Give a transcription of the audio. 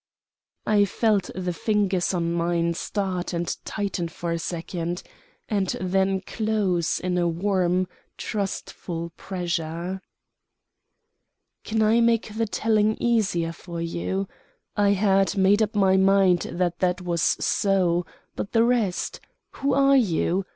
I felt the fingers on mine start and tighten for a second, and then close in a warm, trustful pressure. "Can I make the telling easier for you? I had made up my mind that that was so; but the rest? Who are you?